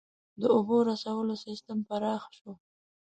• د اوبو رسولو سیستم پراخ شو.